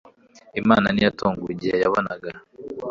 imana ntiyatunguwe igihe yabonaga